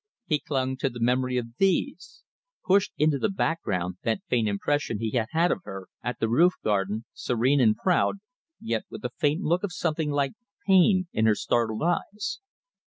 He clung to the memory of these; pushed into the background that faint impression he had had of her at the roof garden, serene and proud, yet with a faint look of something like pain in her startled eyes.